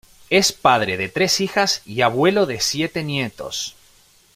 Es padre de tres hijas y abuelo de siete nietos.